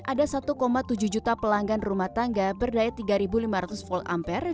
ada satu tujuh juta pelanggan rumah tangga berdaya tiga lima ratus volt ampere